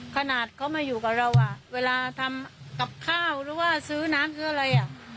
ขนาดเขามาอยู่กับเราอ่ะเวลาทำกับข้าวหรือว่าซื้อน้ำซื้ออะไรอ่ะ